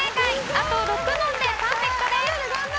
あと６問でパーフェクトです！